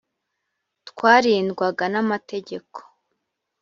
twarindwaga n’amategeko